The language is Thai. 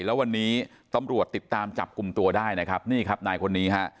แล้ววันนี้ตำรวจติดตามจับกลุ่มตัวได้นะครับนี่ครับนายคนนี้ฮะ